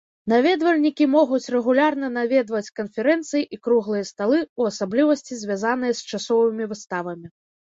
Наведвальнікі могуць рэгулярна наведваць канферэнцыі і круглыя сталы, у асаблівасці звязаныя з часовымі выставамі.